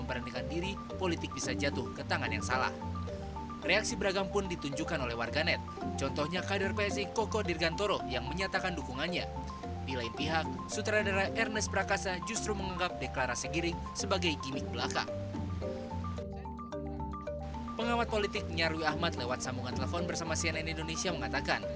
pak juhu ahmad lewat sambungan telepon bersama cnn indonesia mengatakan